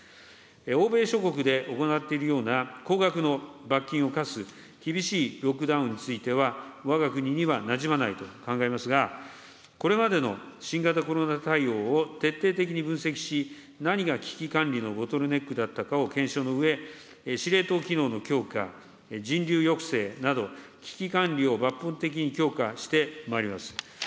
欧米諸国で行っているような、高額の罰金を科す厳しいロックダウンについては、わが国にはなじまないと考えますが、これまでの新型コロナ対応を徹底的に分析し、何が危機管理のボトルネックだったかを検証のうえ、司令塔機能の強化、人流抑制など、危機管理を抜本的に強化してまいります。